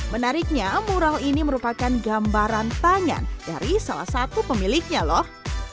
menariknya mural ini merupakan gambaran tangan dari salah satu pemiliknya loh